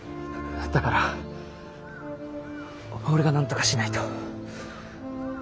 だから俺がなんとかしないと。